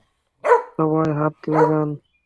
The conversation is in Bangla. সবাই হাত লাগান!